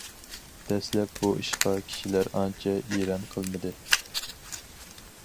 دەسلەپ بۇ ئىشقا كىشىلەر ئانچە ئېرەن قىلمىدى.